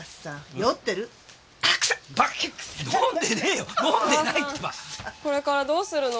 お母さんこれからどうするの？